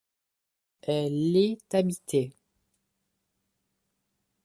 Elle est habitée.